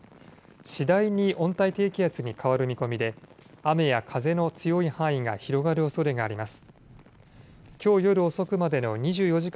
次第に温帯低気圧に変わる見込みで雨や風の強い範囲が広がるおそれがあります。